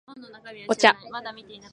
お茶